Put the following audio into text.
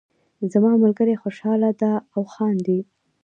زما ملګری خوشحاله دهاو خاندي